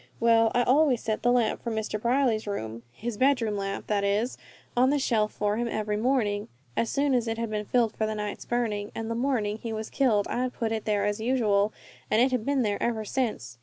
Well, I always set the lamp for Mr. Brierly's room his bedroom lamp, that is on that shelf for him every morning, as soon as it had been filled for the night's burning; and the morning he was killed I had put it there as usual, and it had been there ever since.